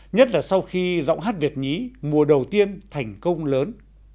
nhất là sau khi giọng hát việt nhí mùa đầu tiên thành công lớn